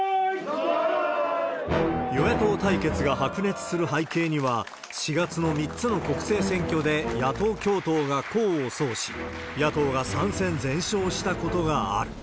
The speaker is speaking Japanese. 与野党対決が白熱する背景には、４月の３つの国政選挙で野党共闘が功を奏し、野党が３戦全勝したことがある。